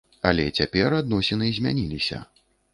Але цяпер адносіны змяніліся.